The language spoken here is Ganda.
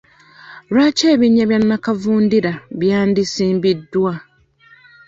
Lwaki ebinnya bya nakavundira byandisimiddwa?